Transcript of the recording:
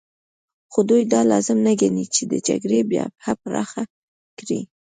خو دوی دا لازم نه ګڼي چې د جګړې جبهه پراخه کړي